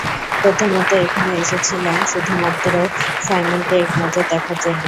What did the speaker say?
প্রথমত, এখানে এসেছিলাম শুধুমাত্র সাইমনকে এক নজর দেখার জন্য।